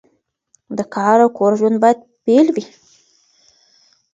د کار او کور ژوند باید بیل وي.